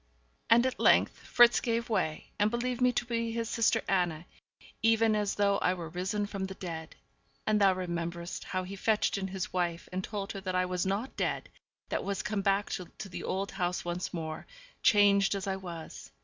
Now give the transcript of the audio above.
And at length Fritz gave way, and believed me to be his sister Anna, even as though I were risen from the dead. And thou rememberest how he fetched in his wife, and told her that I was not dead, but was come back to the old home once more, changed as I was.